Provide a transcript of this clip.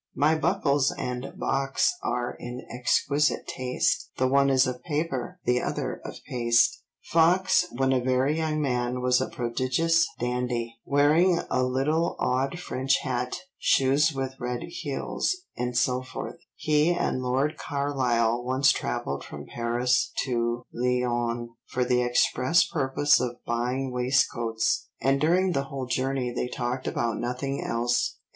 My buckles and box are in exquisite taste, The one is of paper, the other of paste." Fox, when a very young man, was a prodigious dandy, wearing a little odd French hat, shoes with red heels, etc. He and Lord Carlisle once travelled from Paris to Lyons for the express purpose of buying waistcoats; and during the whole journey they talked about nothing else.